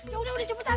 ya udah udah cepetan